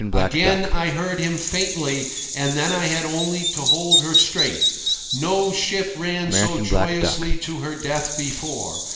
Again I heard him faintly, and then I had only to hold her straight. No ship ran so joyously to her death before.